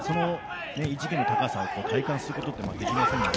異次元の高さを体感することができませんので